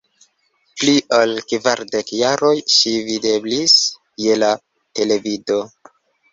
Pli ol kvardek jaroj ŝi videblis je la televido.